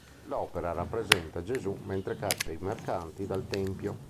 L’opera rappresenta Gesù mentre caccia i mercanti dal tempio.